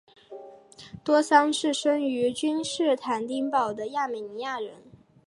多桑是生于君士坦丁堡的亚美尼亚人。